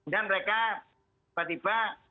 dan mereka tiba tiba